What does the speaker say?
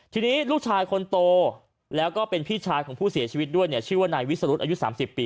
ทีนี้ลูกชายคนโตแล้วก็เป็นพี่ชายของผู้เสียชีวิตด้วยเนี่ยชื่อว่านายวิสรุธอายุ๓๐ปี